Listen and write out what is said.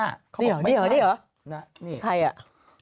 นี่เหรอนี่เหรอใครอะ